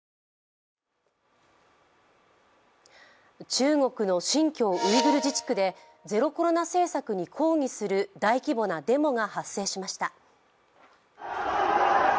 中国の新疆ウイグル自治区でゼロコロナ政策に抗議する大規模なデモが発生しました。